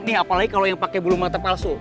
nih apalagi kalo yang pake bulu mata palsu